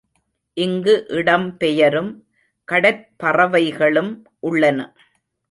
இங்கு இடம் பெயரும் கடற்பறவைகளும் உள்ளன.